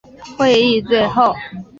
会议最后